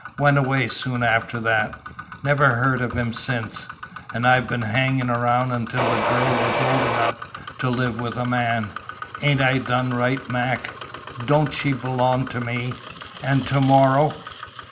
Went away soon after that. Never heard of him since. An' I've been hanging round until the girl was old enough to live with a man. Ain't I done right, Mac? Don't she belong to me? An' to morrow...."